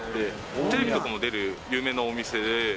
テレビとかも出る有名なお店で。